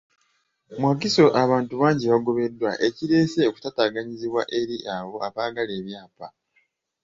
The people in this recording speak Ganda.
Mu Wakiso abantu bangi bagobeddwa, ekireese okutaataaganyizibwa eri abo abaagala ebyapa.